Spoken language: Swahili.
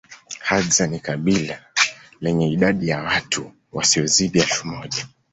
Hadza ni kabila lenye idadi ya watu wasiozidi elfu moja